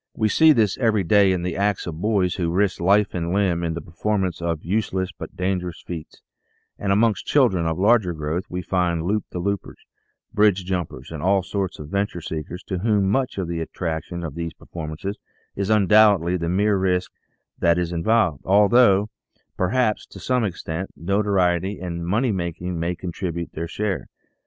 We see this every day in the acts of boys who risk life and limb in the performance of useless but dangerous feats, and amongst children of larger growth we find loop the loopers, bridge jumpers, and all sorts of venture seekers to whom much of the attraction of these performances is undoubtedly the mere risk that is involved, although, perhaps, to some extent, notoriety and money making may contribute their share.